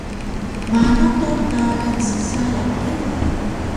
Malu ka karac sayang hug?